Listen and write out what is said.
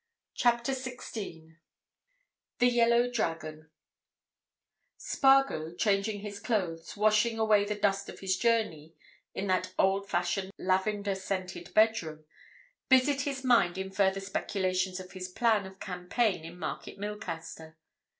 CHAPTER SIXTEEN THE "YELLOW DRAGON" Spargo, changing his clothes, washing away the dust of his journey, in that old fashioned lavender scented bedroom, busied his mind in further speculations on his plan of campaign in Market Milcaster.